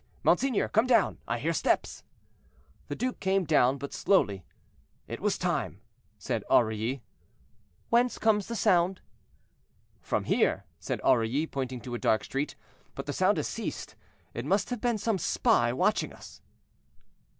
monseigneur, come down; I hear steps." The duke came down, but slowly. "It was time," said Aurilly. "Whence comes the sound?" "From there," said Aurilly, pointing to a dark street. "But the sound has ceased; it must have been some spy watching us."